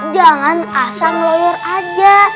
jangan asal ngeloyor aja